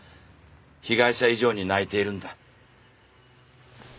被害者以上に泣いているんだ。